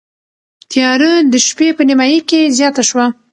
تیاره د شپې په نیمايي کې زیاته شوه.